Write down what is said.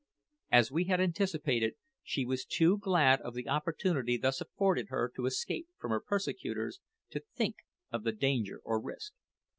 As we had anticipated, she was too glad of the opportunity thus afforded her to escape from her persecutors to think of the danger or risk.